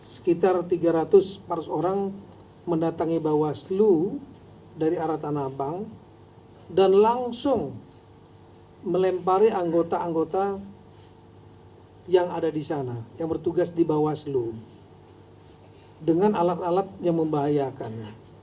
sekitar tiga ratus empat ratus orang mendatangi bawaslu dari arah tanah abang dan langsung melempari anggota anggota yang ada di sana yang bertugas di bawaslu dengan alat alat yang membahayakan